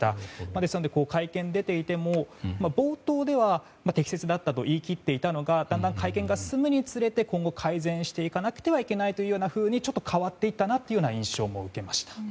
ですので会見に出ていても冒頭では適切だったと言い切っていたのがだんだん会見が進むにつれて今後、改善していかなくてはいけないというふうにちょっと変わっていったなという印象も受けました。